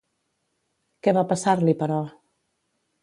Què va passar-li, però?